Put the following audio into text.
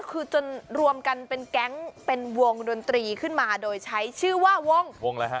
คือจนรวมกันเป็นแก๊งเป็นวงดนตรีขึ้นมาโดยใช้ชื่อว่าวงวงอะไรฮะ